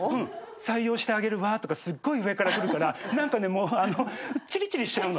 「採用してあげるわ」とかすっごい上からくるから何かねチリチリしちゃうの。